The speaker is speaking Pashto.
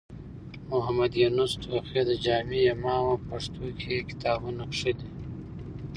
محمد يونس توخى د جامع امام و او په پښتو کې يې کتابونه کښلي.